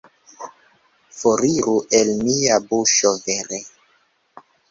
Foriru el mia buŝo, vere!